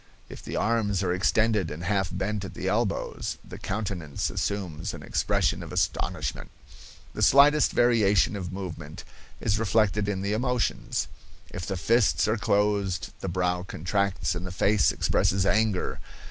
If the arms are extended and half bent at the elbows, the countenance assumes an expression of astonishment. The slightest variation of movement is reflected in the emotions. If the fists are closed, the brow contracts and the face expresses anger.